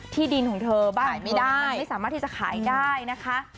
ที่ดินของเธอบ้านไม่ได้มันไม่สามารถที่จะขายได้นะคะ